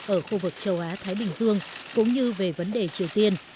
ở khu vực châu á thái bình dương cũng như về vấn đề triều tiên